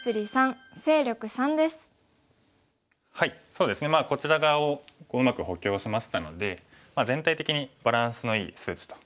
そうですねこちら側をうまく補強しましたので全体的にバランスのいい数値と。